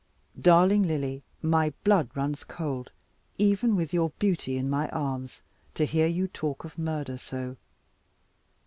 Darling Lily, my blood runs cold, even with your beauty in my arms, to hear you talk of murder so.